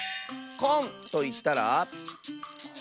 「こん」といったら？